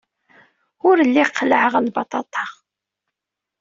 Ur lliɣ qellɛeɣ lbaṭaṭa.